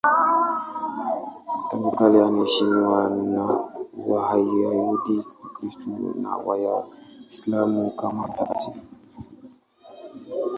Tangu kale anaheshimiwa na Wayahudi, Wakristo na Waislamu kama mtakatifu.